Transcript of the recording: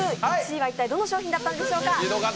１位は一体どの商品だったんでしょうか。